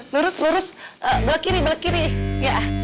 lurus lurus belak kiri belak kiri ya